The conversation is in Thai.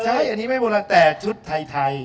ใช่อันนี้ไม่โบราณแต่ชุดไทย